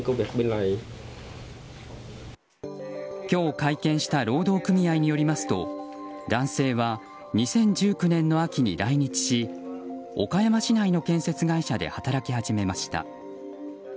今日、会見した労働組合によりますと男性は２０１９年の秋に来日し岡山市内の建設会社で働き始めました。